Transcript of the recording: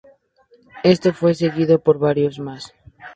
Esto fue seguido por varios más.